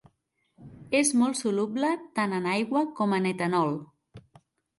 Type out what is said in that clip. És molt soluble tant en aigua com en etanol.